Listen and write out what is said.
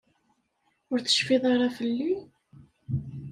Ur tecfiḍ ara fell-i?